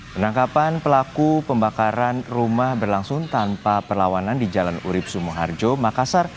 penangkapan pelaku pembakaran rumah berlangsung tanpa perlawanan di jalan urib sumoharjo makassar